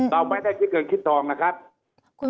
เราไม่ได้มีเหนื่อยมะทองนะครับ